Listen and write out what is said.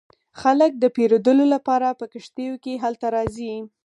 خلک د پیرودلو لپاره په کښتیو کې هلته راځي